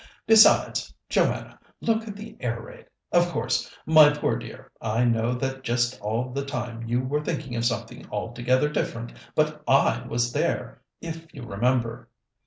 Besides, Joanna, look at the air raid! Of course, my poor dear, I know that just at that time you were thinking of something altogether different, but I was there, if you remember."